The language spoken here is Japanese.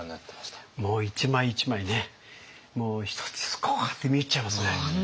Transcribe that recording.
いやもう一枚一枚ねもう一つ一つこうやって見入っちゃいますね。